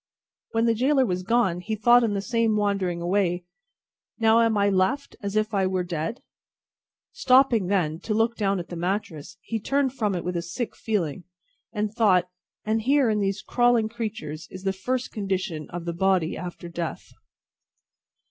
When the gaoler was gone, he thought in the same wandering way, "Now am I left, as if I were dead." Stopping then, to look down at the mattress, he turned from it with a sick feeling, and thought, "And here in these crawling creatures is the first condition of the body after death."